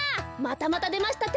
またまたでました！